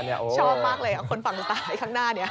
ชอบมากเลยเอาคนฝั่งสตาร์ทไว้ข้างหน้า